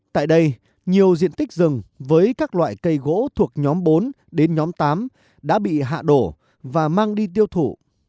tại đây nhiều diện tích rừng với các loại cây gỗ thuộc nhóm bốn đến nhóm tám đã bị hạ đổ và mang đi tiêu thụ